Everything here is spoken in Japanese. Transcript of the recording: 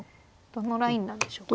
どのラインなんでしょうかね。